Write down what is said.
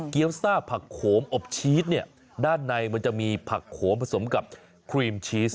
ซ่าผักโขมอบชีสเนี่ยด้านในมันจะมีผักโขมผสมกับครีมชีส